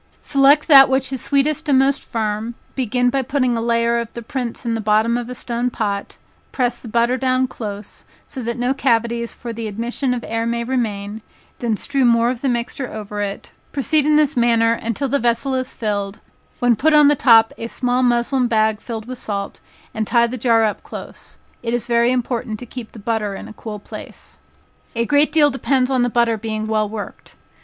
"Select that which is sweetest and most firm, begin by putting a layer of the prints in the bottom of a stone pot, press the butter down close, so that no cavities for the admission of air may remain, then strew more of the mixture over it, proceed in this manner until the vessel is filled, when put on the top a small muslin bag filled with salt, and tie the jar up close. It is very important to keep the butter in a cool place." A great deal depends on the butter being well worked.